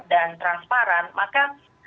dan transparan maka